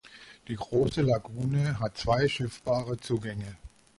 Die große Lagune hat zwei schiffbare Zugänge.